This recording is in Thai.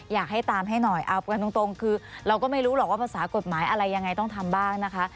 อยากให้ตามให้หน่อยเอากันตรงคือเราก็ไม่รู้หรอกว่าภาษากฎหมายอะไรยังไงต้องทำบ้างนะคะ